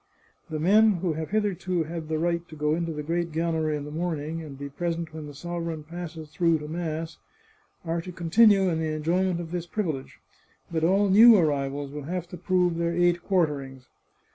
The men who have hitherto had the right to go into the great gallery in the morning, and be present when the sovereign passes through to mass, are to continue in the enjoyment of this privilege. But all new arrivals will have to prove their eight quarterings.